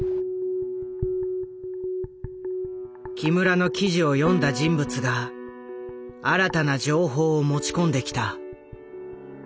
木村の記事を読んだ人物が新たな情報を持ち込んできた。